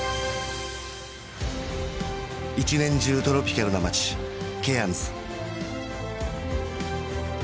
一年中トロピカルな街ケアンズ